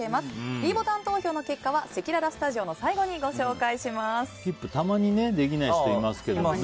ｄボタン投票の結果はせきららスタジオの最後にスキップたまにできない人いますけどね。